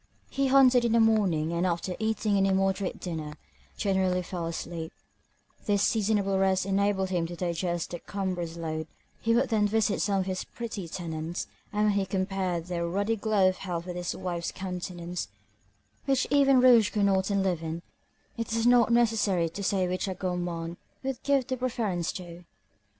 He hunted in the morning, and after eating an immoderate dinner, generally fell asleep: this seasonable rest enabled him to digest the cumbrous load; he would then visit some of his pretty tenants; and when he compared their ruddy glow of health with his wife's countenance, which even rouge could not enliven, it is not necessary to say which a gourmand would give the preference to.